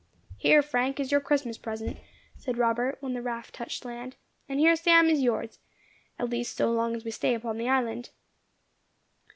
"Here, Frank, is your Christmas present," said Robert, when the raft touched land; "and here, Sam, is yours, at least so long as we stay upon the island."